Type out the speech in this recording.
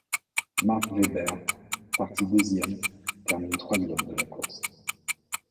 Mark Webber, parti deuxième, termine troisième de la course.